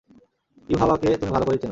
ইউহাওয়াকে তুমি ভাল করেই চেন।